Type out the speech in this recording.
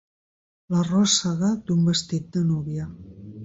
La ròssega d'un vestit de núvia.